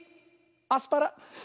アスパラ。